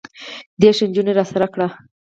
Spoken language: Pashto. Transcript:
دېرش نجونې راسره کړه.